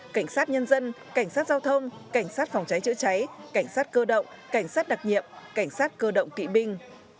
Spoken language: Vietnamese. cảnh sát nhân dân cảnh sát giao thông cảnh sát phòng cháy chữa cháy cảnh sát cơ động cảnh sát đặc nhiệm cảnh sát cơ động kỵ binh